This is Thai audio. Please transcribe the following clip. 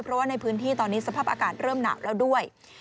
เพราะว่าในพื้นที่ตอนนี้สภาพอากาศเริ่มหนาวแล้วด้วย